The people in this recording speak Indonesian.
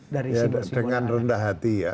dengan rendah hati ya